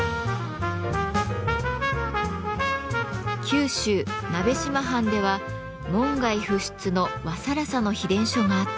九州・鍋島藩では門外不出の和更紗の秘伝書があったとか。